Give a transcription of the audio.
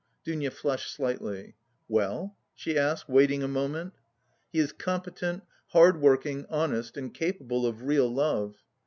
Dounia flushed slightly. "Well?" she asked, waiting a moment. "He is competent, hardworking, honest and capable of real love....